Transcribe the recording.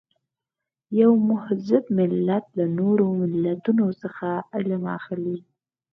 یو مهذب ملت له نورو ملتونو څخه علم اخلي.